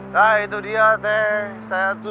nah itu dia teh saya tuh